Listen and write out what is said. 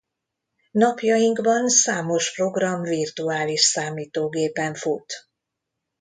Napjainkban számos program virtuális számítógépen fut.